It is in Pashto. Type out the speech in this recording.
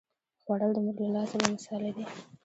خوړل د مور له لاسه بې مثاله دي